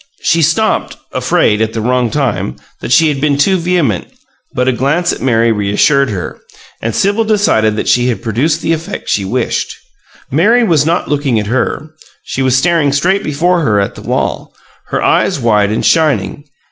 She stopped, afraid at the wrong time that she had been too vehement, but a glance at Mary reassured her, and Sibyl decided that she had produced the effect she wished. Mary was not looking at her; she was staring straight before her at the wall, her eyes wide and shining.